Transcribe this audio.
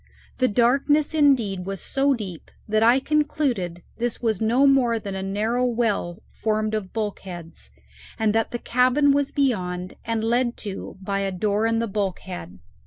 The darkness, indeed, was so deep that I concluded this was no more than a narrow well formed of bulkheads, and that the cabin was beyond, and led to by a door in the bulkhead.